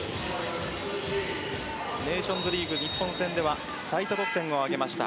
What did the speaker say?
ネーションズリーグ、日本戦では最多得点を挙げました。